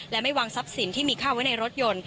และไม่วางทรัพย์สินที่มีค่าไว้ในรถยนต์